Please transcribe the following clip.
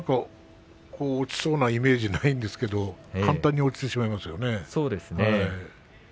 落ちそうなイメージがないんですけども簡単に落ちてしまいましたね。